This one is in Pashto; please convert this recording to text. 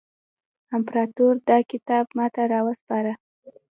امپراطور دا کتاب ماته را وسپاره.